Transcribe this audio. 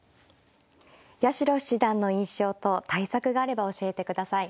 八代七段の印象と対策があれば教えてください。